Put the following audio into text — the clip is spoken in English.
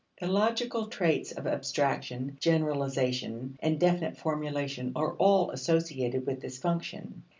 The logical traits of abstraction, generalization, and definite formulation are all associated with this function.